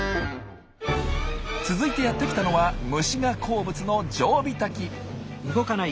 続いてやって来たのは虫が好物のジョウビタキ。